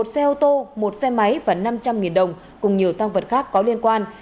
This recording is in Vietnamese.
một xe ô tô một xe máy và năm trăm linh đồng cùng nhiều tăng vật khác có liên quan